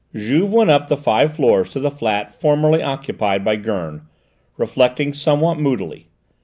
Juve went up the five floors to the flat formerly occupied by Gurn, reflecting somewhat moodily.